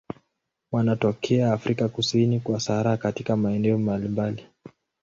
Wanatokea Afrika kusini kwa Sahara katika maeneo mbalimbali.